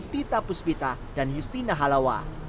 tita puspita dan justina halawa